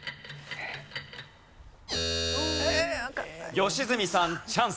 良純さんチャンス。